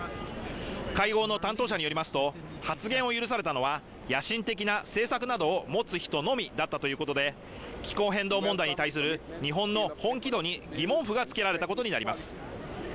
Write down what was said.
会合の担当者によりますと発言を許されたのは野心的な政策などを持つ人のみだったということで気候変動問題に対する日本の本気度に疑問符がつけられたことになります